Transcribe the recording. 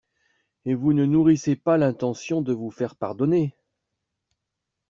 Et vous ne nourrissez pas l'intention de vous faire pardonner!